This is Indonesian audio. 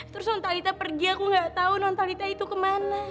terus nontalita pergi aku gak tahu nontalita itu kemana